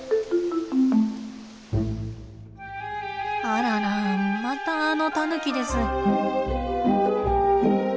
あららまたあのタヌキです。